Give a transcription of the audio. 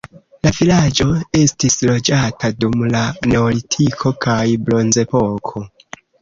La vilaĝo estis loĝata dum la neolitiko kaj bronzepoko.